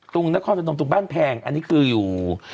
ตรงบ้านแพงอันนี้คืออยู่